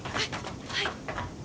はい。